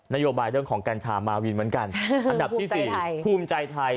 โยบายเรื่องของกัญชามาวินเหมือนกันอันดับที่๔ภูมิใจไทย